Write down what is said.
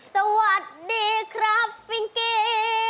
สวัสดีครับฟิงกี้